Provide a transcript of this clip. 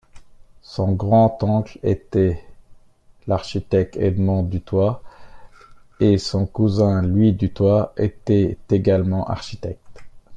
Son grand-oncle était l'architecte Edmond Duthoit et son cousin Louis Duthoit, était également architecte.